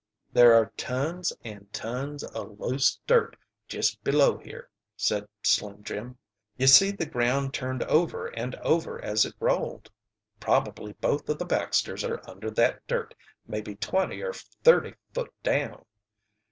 "There are tons an' tons o' loose dirt just be low here," said Slim Jim. "Ye see the ground turned over and over as it rolled. Probably both o' the Baxters are under that dirt, mebbe twenty or thirty foot down."